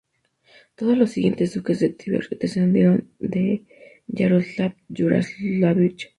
Todos los siguientes duques de Tver descendieron de Yaroslav Yaroslávich.